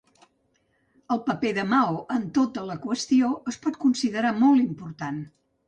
El paper de Mao en tota la qüestió es pot considerar molt important.